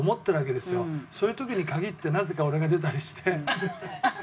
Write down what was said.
そういう時に限ってなぜか俺が出たりして。